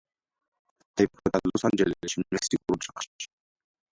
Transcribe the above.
დაიბადა ლოს ანჯელესში, მექსიკურ ოჯახში.